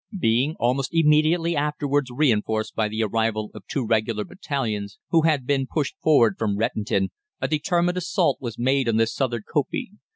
Being almost immediately afterwards reinforced by the arrival of two regular battalions who had been pushed forward from Rettendon, a determined assault was made on the southern kopje.